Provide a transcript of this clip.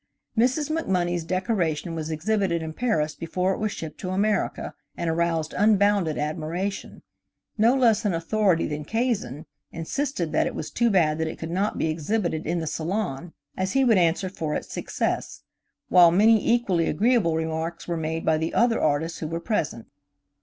Mrs. MacMonnies' decoration was exhibited in Paris before it was shipped to America, and aroused unbounded admiration. No less an authority than Cazin insisted that it was too bad that it could not be exhibited in the Salon, as he would answer for its success, while many equally agreeable remarks were made by the other artists who were present.